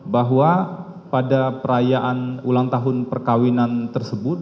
bahwa pada perayaan ulang tahun perkawinan tersebut